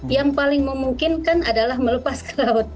yang paling memungkinkan adalah melepas ke laut